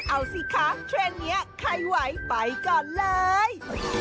เอาสิคะเทรนด์นี้ใครไหวไปก่อนเลย